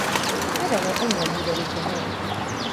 I don't know anyone who voted for him.